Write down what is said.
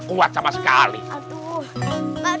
terbukti semuanya jadi kongsi